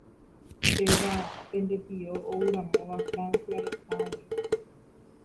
péva pende tio ouramóva Francia retãgui